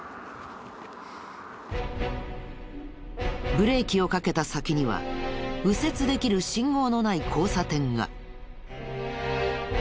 ブレーキをかけた先には右折できる信号のない交差点が。